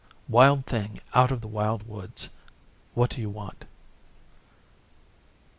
Wild Thing out of the Wild Woods, what do you want?